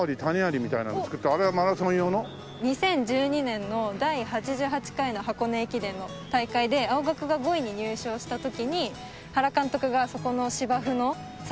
２０１２年の第８８回の箱根駅伝の大会で青学が５位に入賞した時に原監督がそこの芝生の坂を造ってくださいって。